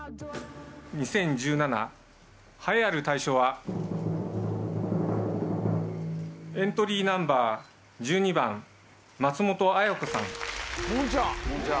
２０１７、栄えある大賞は、エントリーナンバー１２番、松本紋子さん。